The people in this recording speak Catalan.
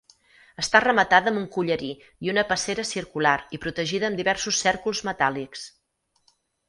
Està rematada amb un collarí i una passera circular i protegida amb diversos cèrcols metàl·lics.